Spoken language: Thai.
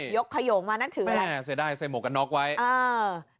ยกขยงมานั่นถือไว้แหละเสียดายใส่หมวกกันน็อกไว้เออ